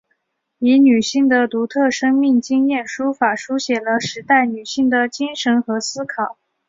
以女性的独特生命经验书法抒写了时代女性的精神和思考。